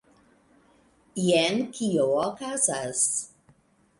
Jen kio okazas